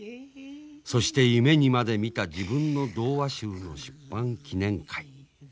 そして夢にまで見た自分の童話集の出版記念会。